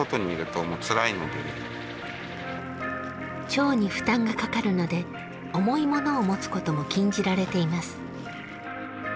腸に負担がかかるので重いものを持つことも禁じられています。